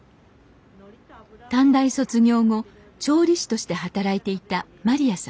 短大卒業後調理師として働いていたまりやさん。